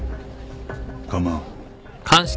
構わん。